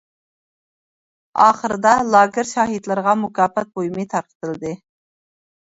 ئاخىرىدا لاگېر شاھىتلىرىغا مۇكاپات بۇيۇمى تارقىتىلدى .